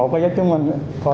một cái giá chứng minh